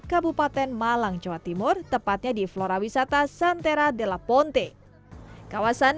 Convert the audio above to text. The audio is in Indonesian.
kabupaten malang jawa timur tepatnya di flora wisata santera de la ponte kawasan